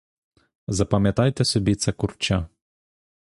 Запам'ятайте собі це курча.